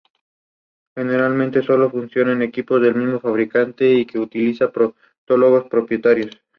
Pero durante muchos años, este virtuosismo le ha dificultado su integración con sus pares.